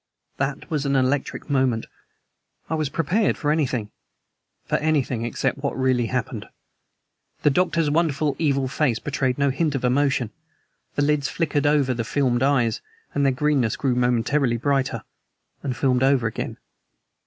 That was an electric moment. I was prepared for anything for anything except for what really happened. The doctor's wonderful, evil face betrayed no hint of emotion. The lids flickered over the filmed eyes, and their greenness grew momentarily brighter, and filmed over again.